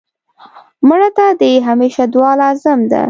مړه ته د همېشه دعا لازم ده